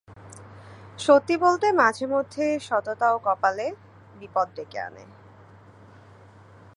সত্যি বলতে, মাঝেমধ্যে স ততাও কপালে বিপদ ডেকে আনে।